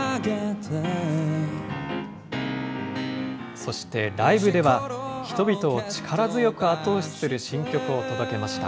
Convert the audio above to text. そしてライブでは、人々を力強く後押しする新曲を届けました。